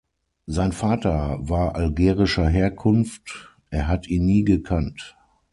Sein Vater war algerischer Herkunft; er hat ihn nie gekannt.